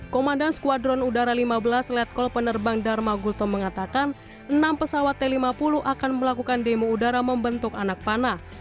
komandan skuadron udara lima belas letkol penerbang dharma gulto mengatakan enam pesawat t lima puluh akan melakukan demo udara membentuk anak panah